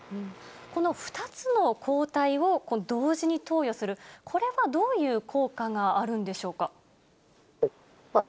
この２つの抗体を同時に投与する、これはどういう効果があるんでしょうか。